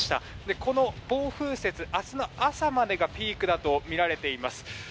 この暴風雪、明日の朝までがピークだとみられています。